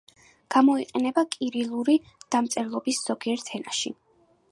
გამოიყენება კირილური დამწერლობის ზოგიერთ ენაში.